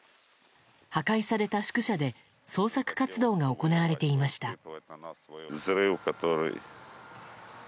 破壊された宿舎で捜索活動が行われていました。